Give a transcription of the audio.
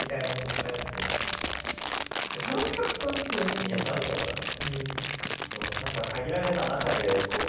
いや楽しかったね。